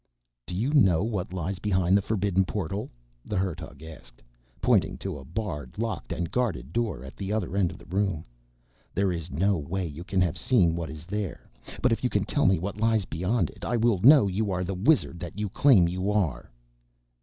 "Do you know what lies behind the forbidden portal?" the Hertug asked, pointing to a barred, locked and guarded door at the other end of the room. "There is no way you can have seen what is there, but if you can tell me what lies beyond it I will know you are the wizard that you claim you are."